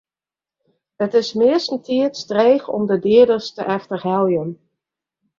It is meastentiids dreech om de dieders te efterheljen.